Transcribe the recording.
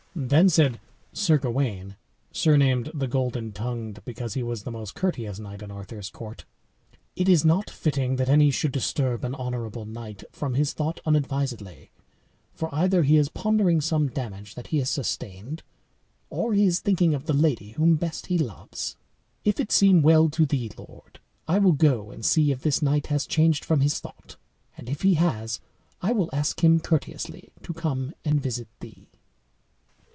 Then said Sir Gawain, surnamed the Golden Tongued, because he was the most courteous knight in Arthur's court: "It is not fitting that any should disturb an honorable knight from his thought unadvisedly; for either he is pondering some damage that he has sustained, or he is thinking of the lady whom best he loves. If it seem well to thee, lord, I will go and see if this knight has changed from his thought, and if he has, I will ask him courteously to come and visit thee."